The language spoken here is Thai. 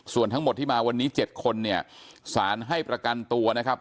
ส่วนทั้งหมดที่มาวันนี้๗คนเนี่ยสารให้ประกันตัวนะครับ